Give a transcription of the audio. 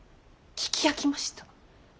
聞き飽きました。